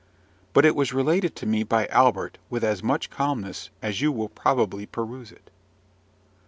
But it was related to me by Albert with as much calmness as you will probably peruse it.